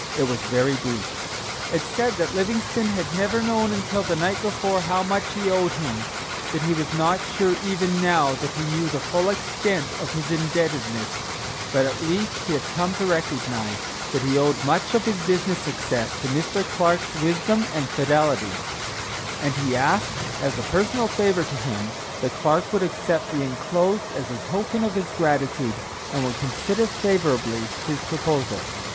It was very brief. It said that Livingstone had never known until the night before how much he owed him; that he was not sure even now that he knew the full extent of his indebtedness, but at least he had come to recognize that he owed much of his business success to Mr. Clark's wisdom and fidelity; and he asked as a personal favor to him that Clark would accept the enclosed as a token of his gratitude, and would consider favorably his proposal.